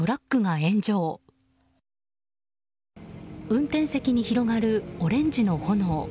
運転席に広がるオレンジの炎。